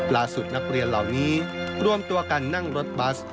นักเรียนเหล่านี้รวมตัวกันนั่งรถบัส